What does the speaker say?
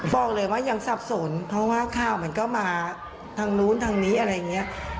บอกเลยว่ายังสับสนเพราะว่าข่าวมันก็มาทางนู้นทางนี้อะไรอย่างนี้